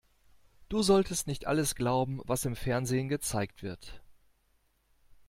Du solltest nicht alles glauben, was im Fernsehen gezeigt wird.